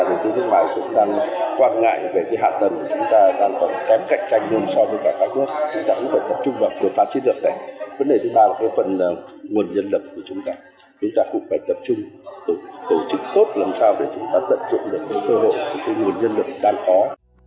chúng ta cũng phải tập trung tổ chức tốt làm sao để chúng ta tận dụng được cơ hội nguồn nhân lực đáng chú ý